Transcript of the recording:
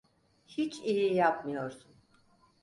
Hiç iyi yapmıyorsun…